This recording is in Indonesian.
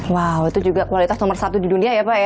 wow itu juga kualitas nomor satu di dunia ya pak ya